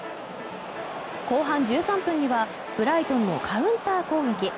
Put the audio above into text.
後半１３分にはブライトンのカウンター攻撃。